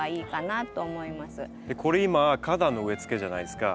これ今花壇の植えつけじゃないですか。